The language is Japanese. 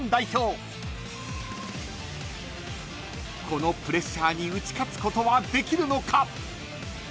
［このプレッシャーに打ち勝つことはできるのか！？］